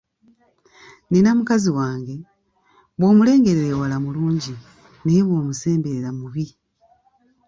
Nina mukazi wange; bw’omulengerera ewala mulungi naye bw'omusemberera mubi.